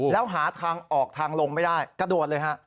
แล้วหาทางออกทางลงไม่ได้กระโดดเลยฮะ